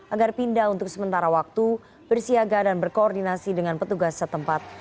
agar pindah untuk sementara waktu bersiaga dan berkoordinasi dengan petugas setempat